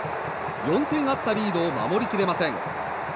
４点あったリードを守り切れません。